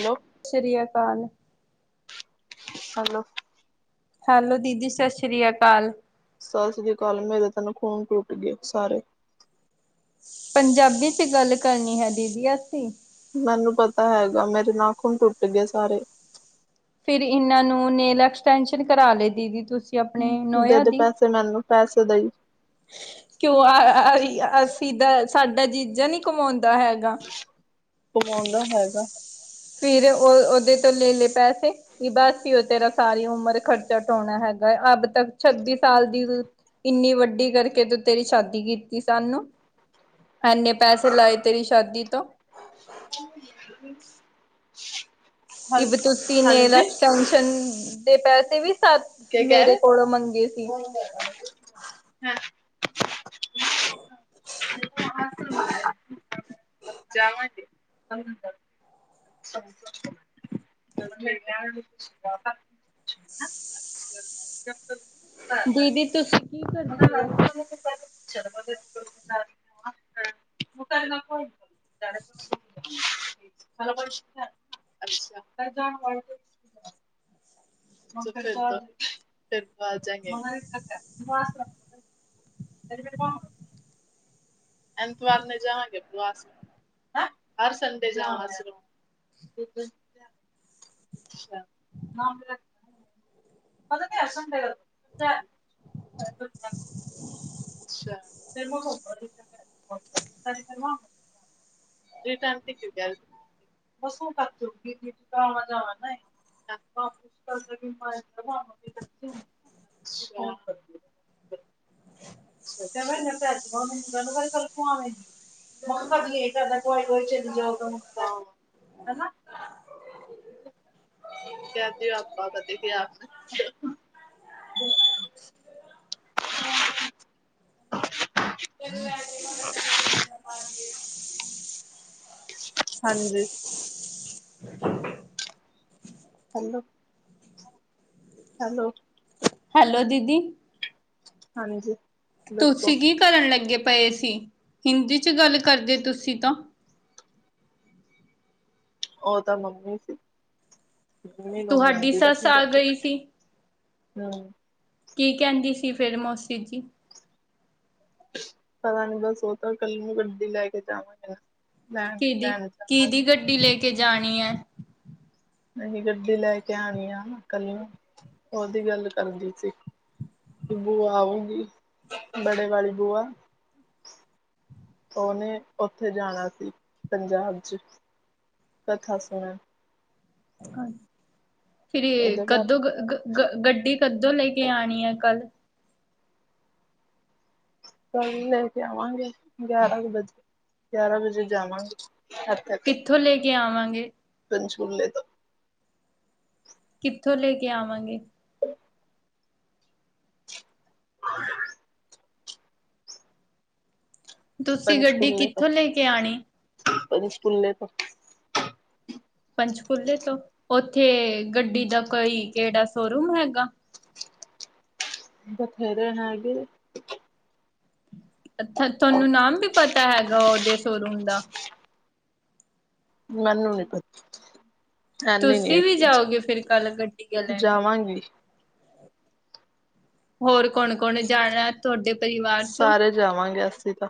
Hello ਸ੍ਰੀ ਅਕਾਲ। Hello. Hello ਦੀਦੀ ਸਸ ਸ੍ਰੀ ਅਕਾਲ। ਸਾਸਰੀ ਕਾਲ, ਮੇਰੇ ਤਾ ਨਾਖੂਨ ਟੂਟ ਗਏ ਸਾਰੇ। ਪੰਜਾਬੀ 'ਚ ਗੱਲ ਕਰਨੀ ਹੈ ਦੀਦੀ ਅਸੀ। ਮੈਨੂੰ ਪਤਾ ਹੈਗਾ। ਮੇਰੇ ਨਾਖੁਨ ਟੁੱਟ ਗਏ ਸਾਰੇ। ਫੇਰ ਇੰਨਾਂ ਨੂੰ ਨੇਲ ਐਕਸਟੈਂਸ਼ਨ ਕਰਾ ਲੀ ਦੀਦੀ ਤੁ ਹੂੰ। ਦੇ ਦੇ ਪੈਸੇ ਮੈਨੂੰ ਪੈਸੇ ਦਈ। ਕਿਓਂ ਆ ਆਈ ਅ ਅਸੀ ਦਾ ਸਾਡਾ ਜੀਜਾ ਨੀ ਕਮਾਉਂਦਾ ਹੈਗਾ। ਕਮਾਉਂਦਾ ਹੈਗਾ। ਫਿਰ ਓ ਓਦੇ ਤੋਂ ਲੈ ਲੈ ਪੈਸੇ। ਕੀਦਾ ਅਸਿਓ ਤੇਰਾ ਸਾਰੀ ਉਮਰ ਖਰਚਾ ਡੋਣਾ ਹੈਗੈ। ਅੱਬ ਤੱਕ ਛੱਬੀ ਸਾਲ ਦੀ ਇੰਨੀ ਵੱਡੀ ਕਰਕੇ ਦਿਤ- ਤੇਰੀ ਸ਼ਾਦੀ ਕੀਤੀ ਸਾਨੂੰ। ਐਂਨੇ ਪੈਸੇ ਲਾਏ ਤੇਰੀ ਸ਼ਾਦੀ ਤੋਂ। [unintelligible] ਇਬ ਤੁਸੀਂ ਨੇਲ‌ ਹਾਂਜੀ ਐਕਸਟੈਨਸ਼ਨ ਦੇ ਪੈਸੇ ਵੀ ਸਾਥ ਕੀ ਕਹਿ ਮੇਰੇ ਰਹੇ ਕੋਲੋਂ ਮੰਗੇ ਸੀ। [unintelligible] [unintelligible] ਜਾਵਾਂਗੇ [unintelligible] [unintelligible] [unintelligible] ਦੀਦੀ ਤੁਸੀਂ ਕੀ ਕਰਦੇ ਹੋ? [unintelligible] [unintelligible] [unintelligible] ਅੱਛਾ [unintelligible] [unintelligible] ਫੇਰ ਆ ਜਾਏਗੇ। [unintelligible] [unintelligible] ਐਂਤਵਾਰ ਨੇ ਜਾਂਹਾਂ ਕੀਤੀਆਂ ਸੀ। ਹੈਂ! ਹਰ ਸੰਡੇ ਜਾਨਾ ਸਿਰਫ। ਬਿਲਕੁਲ। ਅੱਛਾ, ਨਾਮ [unintelligible] ਪੈਲੇ ਤਾਂ ਹਰ ਸੰਡੇ [unintelligible] ਅੱਛਾ ਫੇਰ ਮੈਂ ਹੋਮ ਵਰਕ [unintelligible] ਕੀ ਕਰਦੀ ਪੀ [unintelligible] ਆਵਾ ਜਾਵਾਂ ਮੈਂ। [unintelligible] ਕੈਂਦੈ ਮੈਂ ਕਰਦੀ ਆਂ ਓਨੂੰ [unintelligible] [unintelligible] ਹੈਨਾ। ਮਤਲਬ ਦੇ ਅਧਿਆਪਕ ਕਦੀ ਤੇ ਆਸ [unintelligible] [unintelligible] ਹਾਂਜੀ। ਹੈਲੋ। ਹੈਲੋ। ਹੈਲੋ ਦੀਦੀ। ਹਾਂਜੀ। ਦੱਸੋ ਤੁਸੀ ਕੀ ਕਰਨ ਲੱਗੇ ਪਏ ਸੀ। ਹਿੰਦੀ 'ਚ ਗੱਲ ਕਰਦੇ ਤੁਸੀਂ ਤਾਂ। ਓ ਤਾਂ ਮੰਮੀ ਸੀ। ਮੰਮੀ ਨੂੰ ਨੀ ਤੁਹਾਡੀ ਆਂਦੀ ਨਾ ਸੱਸ ਆ ਪੰਜਾਬੀ। ਗਈ ਸੀ। ਹੰ। ਕੀ ਕੈਂਦੀ ਸੀ ਫੇਰ ਮੋਸੀ ਜੀ? ਪਤਾ ਨੀ ਬਸ, ਉਹ ਤਾਂ ਕੱਲ੍ਹ ਨੂੰ ਗੱਡੀ ਲੈ ਕੇ ਜਾਵਾਂਗੇ। ਲੈਣ ਲੈਣ ਜਾਵਾਂਗੇ ਕੀਹਦੀ-ਕੀਹਦੀ ਗੱਡੀ ਲੇ ਕੇ ਜਾਣੀਂ ਐਂ। ਨਵੀਂ ਗੱਡੀ ਲੈ ਕੇ ਆਂਣੀ ਆ ਨਾ, ਕੱਲ੍ਹ ਨੂੰ ਉਹਦੀ ਗੱਲ ਕਰਦੀ ਸੀ। ਬੂਆ ਆਊਗੀ, ਬੜੇ ਵਾਲੀ ਬੂਆ ਉਹਨੇਂ ਉੱਥੇ ਜਾਣਾ ਸੀ, ਪੰਜਾਬ 'ਚ। ਕਥਾ ਸੁਨਣ। ਹਾਂ, ਫਿਰ ਜੇ ਉਹਦੇ ਬਾਅਦ ਕਦੋਂ ਗ-ਗ ਗ-ਗੱਡੀ ਕਦੋਂ ਲੈ ਕੇ ਆਂਣੀ ਏ ਕੱਲ? ਕੱਲ੍ਹ ਲੈ ਕੇ ਆਵਾਂਗੇ, ਗਿਆਰਾਂ ਕੁ ਵਜੇ, ਗਿਆਰਾਂ ਵਜੇ ਜਾਵਾਂਗੇ ਇੱਥੇ ਤੋਂ ਕਿੱਥੋਂ ਲੇ ਕੇ ਆਵਾਂਗੇ। ਪੰਚਕੂਲੇ ਤੋਂ। ਕਿੱਥੋਂ ਲੇ ਕੇ ਆਵਾਂਗੇ। [inaudible] ਤੁਸੀਂ ਗੱਡੀ ਪੰਚਕੂਲੇ ਤੋਂ, ਕਿੱਥੋਂ ਲੈ ਕੇ ਆਣੀ? ਪੰਚਕੂਲੇ ਤੋਂ। ਪੰਚਕੂਲੇ ਤੋਂ ਉੱਥੇ ਗੱਡੀ ਦਾ ਕੋਈ, ਕਿਹੜਾ ਸੋਰੂਮ ਹੈਗਾ। ਬਥੇਰੇ ਨੇ ਹਾਂਗੇ। ਅੱਥਾ ਤੁਹਾਨੂੰ ਨਾਮ ਵੀ ਪਤਾ ਹੈਗਾ, ਉਹਦੇ ਸੋਰੂਮ ਦਾ। ਮੈਨੂੰ ਨੀ ਪਤਾ। ਐਨੀ ਨੀ ਏ ਤੁਸੀਂ ਵੀ ਕੁਛ, ਜਾਓਗੇ ਫਿਰ ਕੱਲ ਗੱਡੀਆਂ ਲੈਣੇ? ਜਾਵਾਂਗੀ। ਹੋਰ ਕੌਣ-ਕੌਣ ਜਾਣਾਂ, ਤੁਹਾਡੇ ਪਰਿਵਾਰ 'ਚੋਂ। ਸਾਰੇ ਜਾਵਾਂਗੇ ਅਸੀਂ ਤਾਂ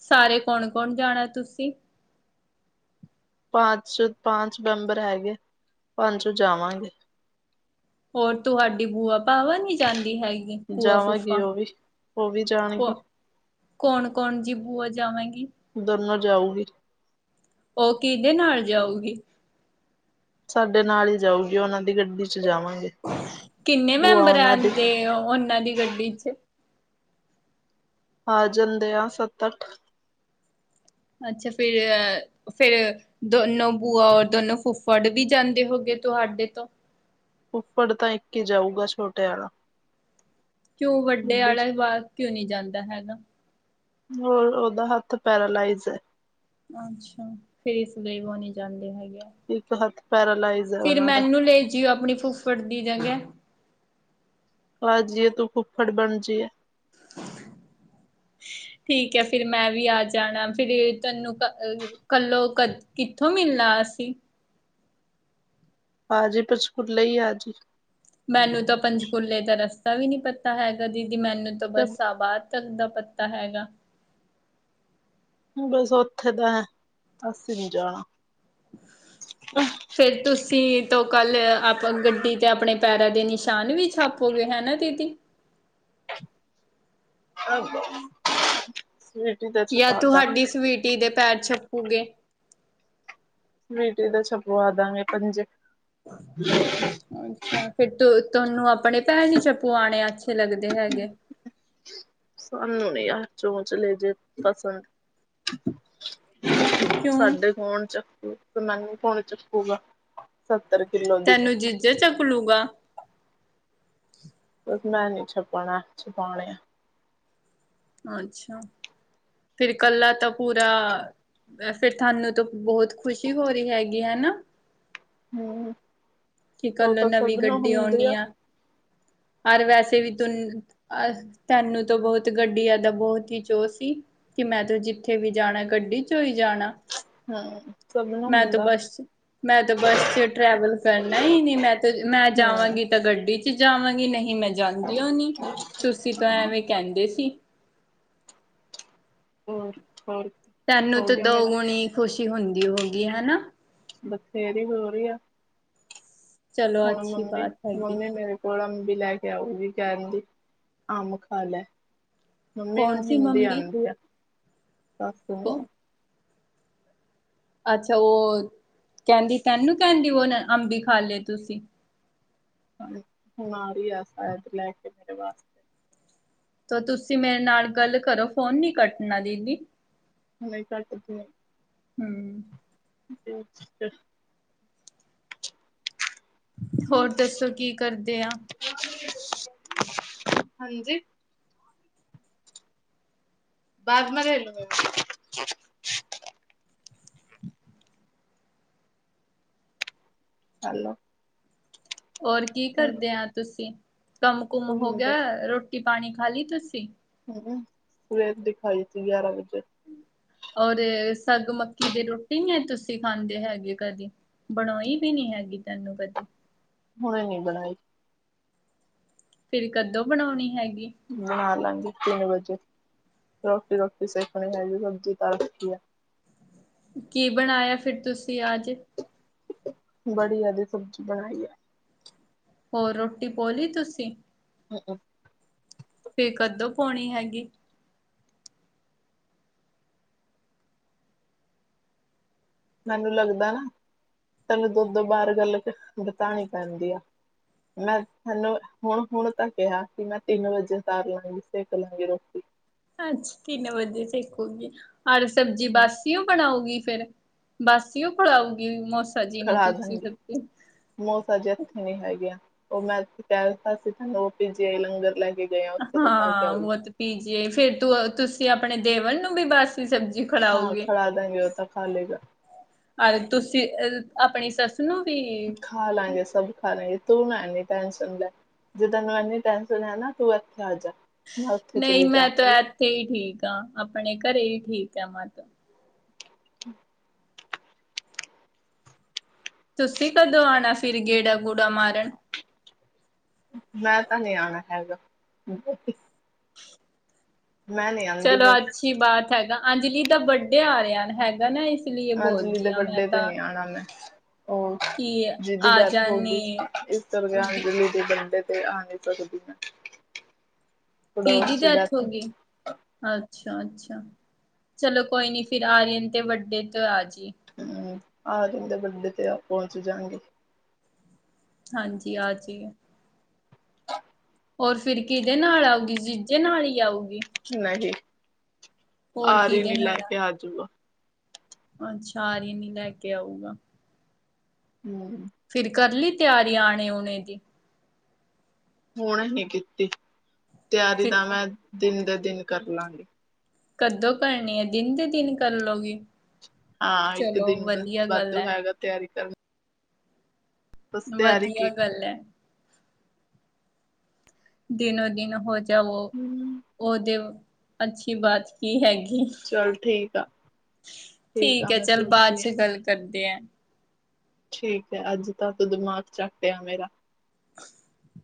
ਸਾਰੇ ਕੌਣ-ਕੌਣ ਜਾਣਾਂ ਤੁਸੀਂ? ਪਾਂਚ-ਛੇ, ਪਾਂਚ ਮੈਂਬਰ ਹੈਗੇ, ਪਾਂਚੋ ਜਾਵਾਂਗੇ। ਹੋਰ ਤੁਹਾਡੀ ਬੂਆ-ਭਾਵਾ ਨੀ ਜਾਂਦੀ ਹੈਗੀ। ਜਾਵਾਂਗੀ ਭੂਆ-ਫੂਫਾ, ਉਹ ਵੀ ਉਹ ਵੀ ਭੁ ਜਾਣਗੀ ਕੌਣ-ਕੌਣ ਜੀ ਬੂਆ ਜਾਵੇਂਗੀ। ਦੋਨੋਂ ਜਾਊਂਗੀ। ਉਹ ਕੀਦੇ ਨਾਲ ਜਾਊਗੀ। ਸਾਡੇ ਨਾਲ ਈ ਜਾਊਗੀ। ਉਹਨਾਂ ਦੀ ਗੱਡੀ 'ਚ ਜਾਵਾਂਗੇ। ਕਿੰਨੇ ਭੂਆ ਮੈਂਬਰ ਉਹਨਾਂ ਦੀ ਆਂਦੇ, ਉਹਨਾਂ ਦੀ ਗੱਡੀ 'ਚ। ਆ ਜਾਂਦੇ ਆ, ਸੱਤ-ਅੱਠ। ਅੱਛਾ, ਫੇਰ ਇਹ ਫਿਰ ਦੋਨੋਂ ਬੂਆ ਔਰ ਦੋਨੋਂ ਫੁੱਫੜ ਵੀ ਜਾਂਦੇ ਹੋਗੇ, ਤੁਹਾਡੇ ਤੋਂ। ਫੁੱਫੜ ਤਾਂ ਇੱਕ ਈ ਜਾਊਗਾ, ਛੋਟੇ ਆਲਾ। ਕਿਉਂ ਵੱਡੇ ਆਲਾ ਜਵਾ, ਕਿਉਂ ਨੀ ਜਾਂਦਾ ਹੈਗਾ। ਮੋਏ, ਉਹਦਾ ਹੱਥ ਪੈਰਾਲਾਈਜ਼ ਐ। ਅੱਛਾ, ਫਿਰ ਇਸ ਲਈ ਉਹ ਨਹੀਂ ਜਾਂਦੇ ਹੈਗੇ ਆ। ਇੱਕ ਹੱਥ ਪੈਰਾਲਾਈਜ਼ ਹੈ ਫਿਰ ਉਹਨਾਂ ਦਾ ਮੈਨੂੰ ਲੇ ਜਿਓ, ਆਪਣੀ ਫੁੱਫੜ ਦੀ ਜਗ੍ਹਾ। ਆ ਜੀਏ, ਤੂੰ ਫੁੱਫੜ ਬਣ ਜੀਏ। [inaudible] [inaudible] ਠੀਕ ਐ ਫਿਰ ਮੈਂ ਵੀ ਆ ਜਾਣਾ, ਫਿਰ ਤੈਨੂੰ ਕਲੋਂ ਕ ਕਿੱਥੋਂ ਮਿਲਣਾ ਅਸੀਂ। ਆ ਜੀ ਪਰ ਸਕੂਲੇ ਈ ਆਜੀ। ਮੈਨੂੰ ਤਾਂ ਪੰਚਕੂਲੇ ਦਾ ਰਸਤਾ ਵੀ ਨਹੀਂ ਪਤਾ ਹੈਗਾ, ਦੀਦੀ ਮੈਨੂੰ ਤਾਂ ਤੇ ਬਸ ਆ ਬ ਤੱਕ ਦਾ ਪੱਤਾ ਹੈਗਾ। ਬਸ ਉਥੇ ਤਾਂ ਅਹਿ ਅਸੀਂ ਨੀ [unintelligible] ਫੇਰ ਤੁਸੀਂ ਤੋਂ ਕੱਲ ਆਪ ਗੱਡੀ ਚ ਆਪਣੇ ਪੈਰਾਂ ਦੇ ਨਿਸ਼ਾਨ ਵੀ ਛਾਪੋਗੇ ਹੈ ਨਾ ਦੀਦੀ? [unintelligible] ਧੀ ਦੇ ਪੈਰ ਛਪੂਗੇ ਸਵੀਟੀ ਦੇ ਛਪਵਾ ਦਾਂਗੇ ਪੰਜੇ। [unintelligible] ਅੱਛਾ ਫਿਰ ਤੁ ਤੁਹਾਨੂੰ ਆਪਣੇ ਪੈਰ ਵੀ ਛਪਵਾਣੇ ਅੱਛੇ ਲੱਗਦੇ ਹੈਗੇ? ਸਾਨੂੰ ਨੀ ਐਹ ਚੋਂਚਲੇ ਜੇ ਪਸੰਦ। [unintelligible] ਕਿਉਂ ਸਾਡੇ ਕੋਣ ਚੱਕੂ ਤੇ ਮੈਨੂੰ ਕੌਣ ਚੱਕੂਗਾ ਸੱਤਰ ਕਿੱਲੋ ਦੀ ਮੈਂ। ਜੈ ਚੱਕ ਲੂਗਾ। ਬਸ ਮੈਂ ਨੀ ਛਪਾਣਾ ਛਪਾਉਣੇ ਆ। ਅੱਛਾ ਫਿਰ ਕੱਲਾ ਤਾਂ ਪੂਰਾ ਵੈਸੇ ਤਾਨੂੰ ਤਾਂ ਬਹੁਤ ਖੁਸ਼ੀ ਹੋ ਰਹੀ ਹੈਗੀ ਹੈਨਾ? ਹੂੰ, ਕਿ ਉਹ ਕੱਲ ਤਾਂ ਨਵੀਂ ਸਭ ਨਾਲ ਗੱਡੀ ਹੁੰਦੀ ਆਉਣੀ ਆ। ਔਰ ਵੈਸੇ ਵੀ [unintelligible] ਤਾਨੂੰ ਤਾਂ ਬਹੁਤ ਗੱਡੀਆਂ ਦਾ ਬਹੁਤ ਹੀ ਚੋਅ ਸੀ। ਕਿ ਮੈਂ ਤਾਂ ਜਿੱਥੇ ਵੀ ਜਾਣਾ ਗੱਡੀ ਚੱ ਈ ਜਾਣਾ। [unintelligible] ਮੈਂ ਤੇ ਹੁੰਦਾ ਬੱਸ ਚੱ ਮੈ ਤੇ ਬੱਸ ਚ ਟਰੈਵਲ ਕਰਨਾ ਈ ਨੀ ਮੈਂ ਤੇ ਮੈਂ ਹੂੰ ਜਾਵਾਂਗੀ ਤਾਂ ਗੱਡੀ ਚ ਜਾਵਾਂਗੀ ਨਹੀਂ ਮੈਂ ਜਾਂਦੀਯੋ ਨੀ ਤੁਸੀਂ ਤਾਂ ਹਾਂ ਐਵੇਂ ਕਹਿੰਦੇ ਸੀ। ਹੋਰ-ਹੋਰ? ਤੈਨੂੰ ਤਾਂ ਦੋਗੁਣੀ ਖੁਸ਼ੀ ਹੁੰਦੀ ਹੋਉਗੀ ਹੈਨਾ? ਬਥੇਰੀ ਹੋ ਰਹੀ ਆ। ਚਲੋ ਹੁਣ ਅੱਛੀ ਮੰਮੀ ਬਾਤ ਹੈਗੀ ਮੰਮੀ ਮੇਰੇ ਕੋਲ ਅੰਬ ਵੀ ਲੈ ਕੇ ਆਉਗੀ ਕਹਿ ਦਿੰਦੀ ਅੰਬ ਖਾ ਲੈ। ਮੰਮੀ ਕੌਣ ਨੂੰ ਸੀ ਹਿੰਦੀ ਮੰਮੀ ਆਂਦੀ ਆ ਸੱਸ ਨੂੰ। ਅੱਛਾ ਉਹ ਕਹਿੰਦੀ ਤੇਨੂੰ ਕਹਿੰਦੀ ਉਹ ਅੰਬੀ ਖਾ ਲਏ ਤੁਸੀਂ? ਬੀਮਾਰੀ ਆ ਸ਼ਾਇਦ ਲੈ ਕੇ ਮੇਰੇ ਵਾਸਤੇ। ਤਾਂ ਤੁਸੀਂ ਮੇਰੇ ਨਾਲ ਗੱਲ ਕਰੋ, ਫੋਨ ਨੀ ਕੱਟਣਾ ਦੀਦੀ। ਨਹੀ ਕਾਦ ਕਟਯਾ? ਹੂੰ। [unintelligible] ਹੋਰ ਦੱਸੋ ਕੀ ਕਰਦੇ ਆ? [unintelligible] ਹਾਂਜੀ। [unintelligible] ਹੋਲੈ। ਹੋਰ ਕੀ ਕਰਦੇ ਆ ਤੁਸੀਂ, ਕੰਮ -ਕੁਮ ਹੋ ਹੁਣ ਗਿਆ, ਬਸ ਰੋਟੀ ਪਾਣੀ ਖਾ ਲਈ ਤੁਸੀਂ? ਹੂੰ- ਹੂੰ ਸਵੇਰ ਦਿ ਖਾਈ ਹੋਈ ਗਿਆਰਾਂ ਵਜੇ ਦੀ। ਔਰ ਸਾਗ ਮੱਕੀ ਦੀ ਰੋਟੀ ਨੀ ਤੁਸੀਂ, ਖਾਂਦੇ ਹੈਗੇ ਕਦੀ? ਬਣਾਈ ਵੀ ਨੀ ਹੈਗੀ ਤੈਨੂੰ ਕਦੀ। ਹੋੁਨੇ ਨੀ ਬਣਾਈ। ਫਿਰ ਕਦੋਂ ਬਣਾਉਣੀ ਹੈਗੀ? ਬਣਾ ਲਾਂਗੀ ਤਿੰਨ ਵਜੇ ਰੋਟੀ -ਰੋਟੀ ਸੇਕਣੀ ਹੈਗੀ ਸਬਜ਼ੀ ਕਾਡ ਰੱਖੀ ਹੈ। ਕੀ ਬਣਾਇਆ, ਫਿਰ ਤੁਸੀਂ ਅੱਜ? ਵੜੀਆਂ ਦੀ ਸਬਜ਼ੀ ਬਣਾਈ ਹੈ। ਹੋਰ ਰੋਟੀ ਪੋਲੀ ਤੁਸੀਂ? [inaudible] ਫੇਰ ਕਦੋਂ ਪਾਉਣੀ ਹੈਗੀ? ਮੈਨੂੰ ਲੱਗਦਾ ਏ ਤੈਨੂੰ ਦੁੱਧ ਬਾਹਰ ਗੱਲ ਕੇ ਬਿਤਾਉਣੀ ਪੈਂਦੀ ਆ। ਮੈਂ ਥੇਨੂੰ ਹੁਣ-ਹੁਣ ਤਾਂ ਕਿਹਾ, ਕਿ ਮੈਂ ਤਿੰਨ ਵਜੇ ਤਾਰ ਲਾਂਗੀ ਸੇਕ ਲਾਂਗੀ ਰੋਟੀ। ਅੱਛਾ ਤਿੰਨ ਵਜੇ ਸੇਕੂਗੀ ਓਰ ਸਬਜ਼ੀ ਬਸ। ਕਿਂਓ ਬਣਾਉਗੀ ਫੇਰ, ਬਾਸੀਓ ਖਲਾਊਗੀ ਮੋਸ ਖਲਾਦਾਂਗੀ। ਮੋਸਾਜੀ ਇੱਥੇ ਨੀ ਹੈਗੇਆ, ਉਹ ਮੈਂ ਕਹਿ ਦਿੱਤਾ ਸੀ ਉਹ ਭੀਜੀ ਆਈ ਲੰਗਰ ਲੈ ਕੇ ਗਏ ਆ ਉੱਥੇ ਤੋਂ ਖਾ ਕੇ ਹਾਂ, ਆਊਗੀ ਉਹ ਤੇ ਪੀਜੀਏ ਫੇਰ ਤੂੰ ਤੁਸੀਂ ਆਪਣੇ ਦੇਵਰ ਨੂੰ ਵੀ ਬੱਸ ਸਬਜ਼ੀ ਹਾਂ ਖੜਾਓਗੇ। ਖਿਲਾ ਦਾਂਗੇ ਉਹ ਤਾਂ ਖਾ ਲਏਗਾ ਅ ਤੁਸੀਂ ਅ ਆਪਣੀ ਸੱਸ ਨੂੰ ਵੀ। ਖਾ ਲਾਂਗੇ ਸਭ ਖਾ ਲਾਂਗੇ, ਤੂੰ ਨਾ ਇਨੀਂ ਟੈਂਸ਼ਨ ਲੈ। ਜੇ ਤੈਨੂੰ ਇਨੀਂ ਟੈਂਸ਼ਨ ਏ ਨਾ, ਤੂੰ ਇੱਥੇ ਆ ਜਾ ਮੈਂ ਉੱਥੇ ਚਲੀ ਜਾਂਗੀ। ਇਥੇ ਈ ਠੀਕ ਆ, ਆਪਣੇ ਘਰੇ ਈ ਠੀਕ ਆ ਮੈਂ ਤੇ। ਅ ਤੁਸੀਂ ਕਦੋਂ ਆਣਾ ਫਿਰ ਗੇੜਾ-ਗੂੜਾ ਮਾਰਨ। ਮੈਂ ਤਾਂ ਨੀਂ ਆਣਾ ਹੈਗਾ। ਮੈਂ ਨੀ ਆ ਚਲੋ ਅੱਛੀ ਬਾਤ ਹੈਗਾ, ਅੰਜਲੀ ਦਾ ਬੱਡੇ ਆ ਰਿਹਾ ਹੈਗਾ ਨਾ ਇਸ ਲਈ ਆਂਜਲੀ ਦੇ ਬੋਲਦੀ ਹਾਂ ਮੈਂ ਬੱਡੇ ਤੇ ਤਾਂ ਨੀਂ ਆਣ ਆਲੇ ਹੋਰ ਕਿ ਜੀਦੀ ਦੀ ਡੈਥ ਆਜਾਨ ਹੋ ਗਈ, ਨੇ ਇਸ ਕਰਕੇ ਆ [unintelligible] ਬੱਡੇ ਤੇ ਆ ਨ੍ਹੀਂ ਸਕਦੀ ਮੈਂ, ਪੜੋਸੀ ਡੈਥ ਅੱਛਾ-ਅੱਛਾ। ਚਲੋ ਕੋਈ ਨੀ ਫਿਰ ਆ ਆਰੀਅਨ ਤੇ ਵੱਰਡੇ ਤੇ ਆਜੀ। ਹਂ, ਆਰਅਨ ਦੇ ਵੱਰਡੇ ਤੇ ਪਹੁੰਚ ਜਾਂਗੀ। ਹਾਂਜੀ ਆਜੀ। ਹੋਰ ਫਿਰ ਕਿਹਦੇ ਨਾਲ ਆਊਗੀ, ਜੀਜੇ ਨਾਲ ਈ ਆਉਗੀ। ਨਹੀਂ ਆਰਈਨ ਕਿਹਦੇ ਈ ਲੈ ਨਾਲ ਆ ਕੇ ਆਜੂਗਾ। ਅੱਛਾ ਆਰੀਨ ਈ ਲੈ ਕੇ ਆਊਗਾ। ਹਂ। ਫਿਰ ਕਰ ਲਈ ਤਿਆਰੀ ਆਣੇ-ਊਣੇ ਦੀ। ਹੁਣੇ ਨੀ ਕੀਤੀ ਤਿਆਰੀ ਫਿਰ ਤਾਂ ਮੈਂ ਦਿਨ ਦੇ ਦਿਨ ਕਰ ਲਾਂਗੀ। ਕਦੋਂ ਕਰਨੀ ਐ? ਦਿਨ ਦੇ ਦਿਨ ਕਰ ਲਓਗੀ। ਹਾਂ, ਇੱਕ ਦਿਨ ਗੱਲ ਵਾਧੂ ਹੈ ਹੈਗਾ ਤਿਆਰੀ ਕਰਨ ਬਸ ਤਿਆਰੀ ਕੀ ਵਧੀਆ ਗੱਲ ਐ। ਦਿਨੋਂ ਦਿਨ ਹੋ ਜਾਵੋ। ਹਮ ਉਹਦੇ ਓ ਅੱਛੀ ਬਾਤ ਕੀ ਹੈਗੀ। ਚੱਲ ਠੀਕ ਆ ਆ ਠੀਕ ਐ ਮੈਂ ਚੱਲ, ਬਾਅਦ ਸੋਚਦੀ ਆ ਚ ਗੱਲ ਕਰਦੇ ਆਂ। ਠੀਕ ਐ ਅੱਜ ਤਾਂ, ਤੂੰ ਦਿਮਾਗ ਚੱਟਿਆ ਮੇਰਾ। [inaudible]